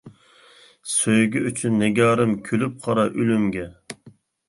سۆيگۈ ئۈچۈن نىگارىم، كۈلۈپ قارا ئۆلۈمگە.